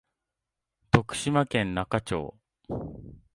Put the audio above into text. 徳島県那賀町